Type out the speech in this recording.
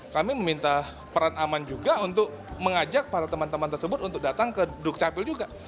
kami meminta peran aman juga untuk mengajak para teman teman tersebut untuk datang ke dukcapil juga